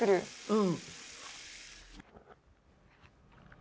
うん。